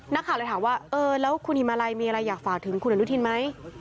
นักข่าวเลยถามว่าเออแล้วคุณฮิมมาลัยมีอะไรอยากฝากถึงคุณอนุทินไหม